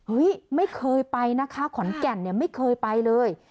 ไม่เคยไปนะคะขอนแก่นเนี่ยไม่เคยไปเลย